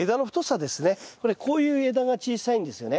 これこういう枝が小さいんですよね。